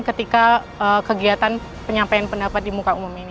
ketika kegiatan penyampaian pendapat di muka umum ini